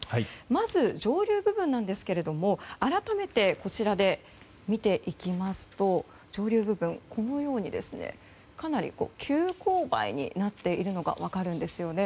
まず、上流部分ですが改めて、こちらで見ていきますと上流部分はかなり急勾配になっているのが分かるんですね。